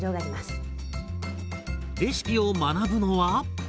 レシピを学ぶのは。